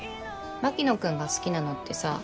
牧野君が好きなのってさ